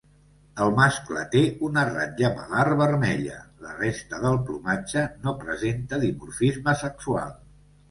El mascle té una ratlla malar vermella, la resta del plomatge no presenta dimorfisme sexual.